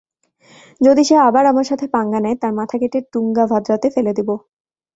যদি সে আবার আমার সাথে পাঙ্গা নেয়, তার মাথা কেটে টুঙ্গাভাদ্রাতে ফেলে দিবো!